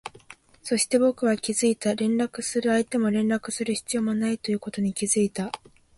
そして、僕は気づいた、連絡する相手も連絡する必要もないことに気づいた